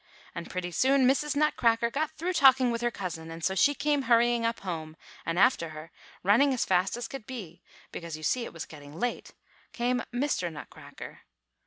And pretty soon Mrs. Nutcracker got through talking with her cousin; and so she came hurrying up home, and after her, running as fast as could be, because you see it was getting late, came Mr. Nutcracker.